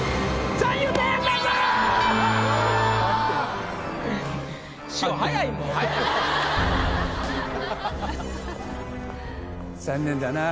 残念だなぁ。